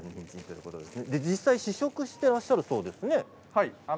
実際に試食していらっしゃるそうですね。